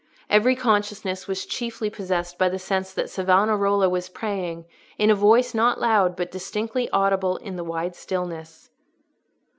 Every consciousness was chiefly possessed by the sense that Savonarola was praying, in a voice not loud, but distinctly audible in the wide stillness.